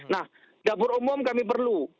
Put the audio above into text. nah dapur umum kami perlu